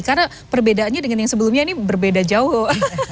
karena perbedaannya dengan yang sebelumnya ini berbeda jauh